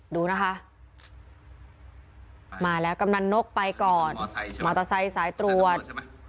ดูนะคะมาแล้วกำนันนกไปก่อนมอเตอร์ไซค์สายตรวจ